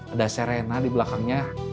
ada serena di belakangnya